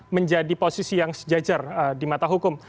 menjadi posisi yang sejajar di mata hukum